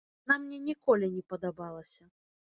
Яна мне ніколі не падабалася.